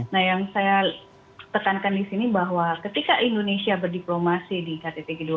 nah yang saya tekankan di sini bahwa ketika indonesia berdiplomasi di ktt g dua puluh